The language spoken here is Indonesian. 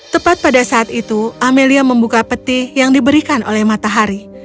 tepat pada saat itu amelia membuka peti yang diberikan oleh matahari